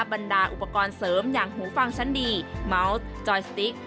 บรรดาอุปกรณ์เสริมอย่างหูฟังชั้นดีเมาส์จอยสติ๊ก